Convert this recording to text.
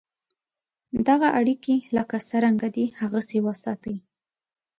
دغه اړیکي لکه څرنګه دي هغسې وساتې.